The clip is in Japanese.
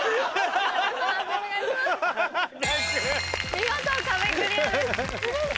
見事壁クリアです。